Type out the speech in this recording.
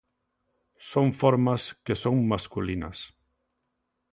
Son formas que son masculinas.